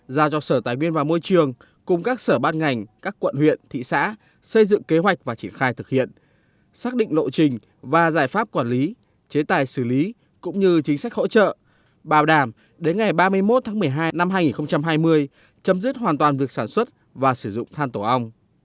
giao cho sở tài nguyên và môi trường cùng các sở ban ngành các quận huyện thị xã xây dựng kế hoạch và triển khai thực hiện xác định lộ trình và giải pháp quản lý chế tài xử lý cũng như chính sách hỗ trợ bảo đảm đến ngày ba mươi một tháng một mươi hai năm hai nghìn hai mươi chấm dứt hoàn toàn việc sản xuất và sử dụng than tổ ong